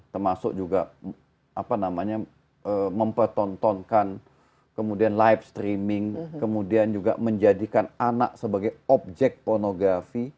termasuk juga mempertontonkan kemudian live streaming kemudian juga menjadikan anak sebagai objek pornografi